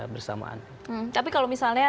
bersamaan tapi kalau misalnya